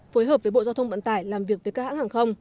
phối hợp với bộ giao thông vận tải làm việc với các hãng hàng không